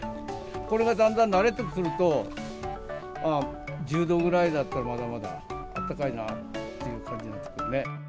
これがだんだん慣れてくると、１０度ぐらいだったら、まだまだあったかいなっていう感じになってくるね。